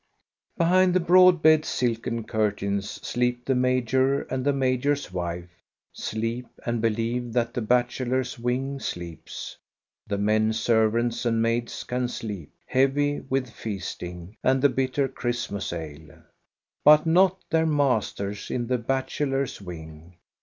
Behind the broad bed's silken curtains sleep the major and the major's wife, sleep and believe that the bachelors' wing sleeps. The men servants and maids can sleep, heavy with feasting and the bitter Christmas ale; but not their masters in the bach » elors' wing.